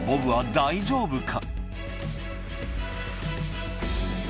大丈夫か？